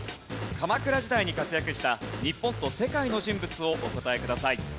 鎌倉時代に活躍した日本と世界の人物をお答えください。